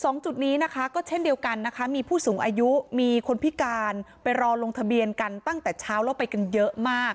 จุดนี้นะคะก็เช่นเดียวกันนะคะมีผู้สูงอายุมีคนพิการไปรอลงทะเบียนกันตั้งแต่เช้าแล้วไปกันเยอะมาก